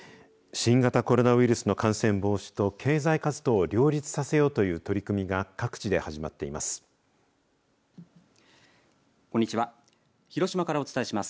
新型コロナウイルスの感染防止と経済活動を両立させようという取り組みが各地で始まっています。